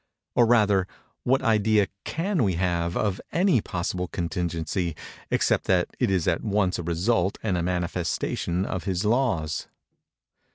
—or, rather, what idea can we have of any possible contingency, except that it is at once a result and a manifestation of his laws?